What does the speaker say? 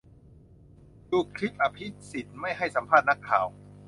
ดูคลิปอภิสิทธิ์ไม่ให้สัมภาษณ์นักข่าว